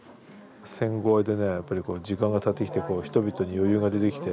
戦後でねやっぱり時間がたってきてこう人々に余裕が出てきて。